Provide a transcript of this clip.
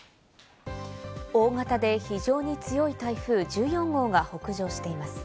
大型で非常に強い台風１４号が北上しています。